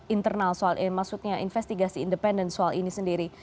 internal soal maksudnya investigasi independen soal ini sendiri